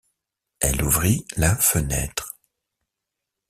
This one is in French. Elle ouvrit la fenêtre.